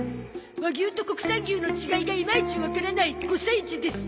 和牛と国産牛の違いがいまいちわからない５歳児です。